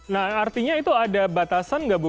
nah artinya itu ada batasan nggak bu